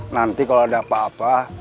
nanti kalau ada apa apa